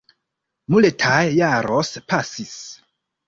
Multaj jaros pasis.